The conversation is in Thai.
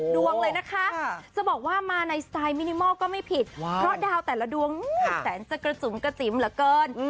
ดวงเลยนะคะจะบอกว่ามาในสไตล์มินิมอลก็ไม่ผิดเพราะดาวแต่ละดวงแสนจะกระจุ๋มกระติ๋มเหลือเกิน